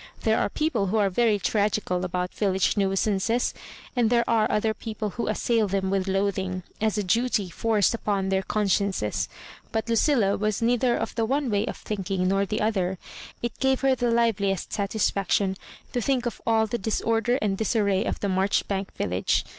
There are people who are very tragical about village nuisances, and there are other people who assail them with loathing, as a duty forced upon their consciences ; but Lucilla was neither of the one way of thinking nor of the other. It gave her the UveUest satisfaction to tiiink of all the disorder and disarray of the Marchbank village.